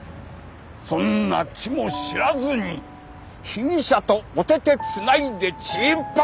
そんな気も知らずに被疑者とおてて繋いでチーパッパ。